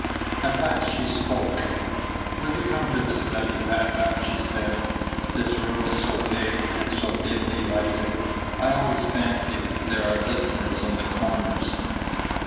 At last she spoke. "Will you come to the study, papa?" she said; "this room is so big, and so dimly lighted, I always fancy there are listeners in the corners."